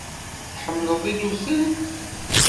Tḥemmleḍ iluten.